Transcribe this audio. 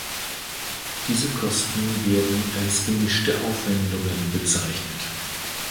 Diese Kosten werden als gemischte Aufwendungen bezeichnet.